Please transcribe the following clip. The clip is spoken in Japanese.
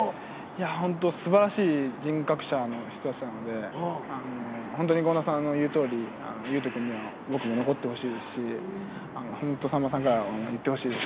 ほんとすばらしい人格者の人たちなのでほんとに権田さんの言うとおり佑都君には僕も残ってほしいですしほんとさんまさんから言ってほしいです。